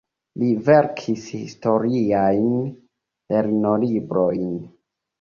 Li verkis historiajn lernolibrojn.